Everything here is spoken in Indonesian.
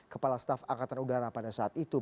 kepala staf angkatan udara pada saat itu